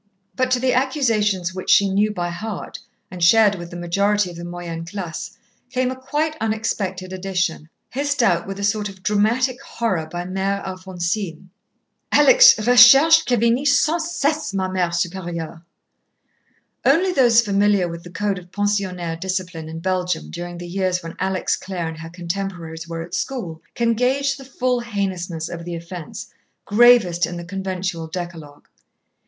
But to the accusations which she knew by heart, and shared with the majority of the moyenne classe, came a quite unexpected addition, hissed out with a sort of dramatic horror by Mère Alphonsine: "Alex recherche Kevinnie sans cesse, ma Mère Supérieure." Only those familiar with the code of pensionnaire discipline in Belgium during the years when Alex Clare and her contemporaries were at school, can gauge the full heinousness of the offence, gravest in the conventual decalogue.